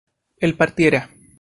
él partiera